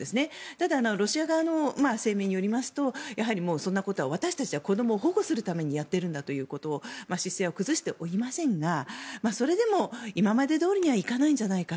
ただロシア側の声明によりますとやはり、そんなことは私たちは子どもたちを保護するためにやっているんだという姿勢を崩しておりませんがそれでも今までどおりにはいかないんじゃないか。